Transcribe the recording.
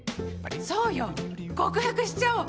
そうよ、告白しちゃおう！